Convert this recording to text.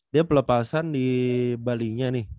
dia pelepasan di balinya nih